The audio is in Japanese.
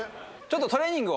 トレーニング？